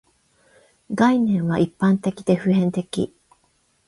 概念は一般的で普遍的